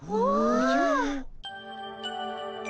おじゃ。